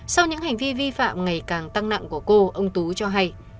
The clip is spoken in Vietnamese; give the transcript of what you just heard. sau những hành vi vi phạm ngày càng tăng nặng của cô ông tú cho hay